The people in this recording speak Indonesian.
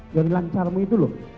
yang lancarmu itu loh